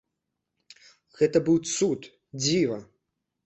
Гэта быў цуд, дзіва.